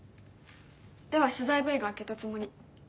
では取材Ｖが明けたつもり。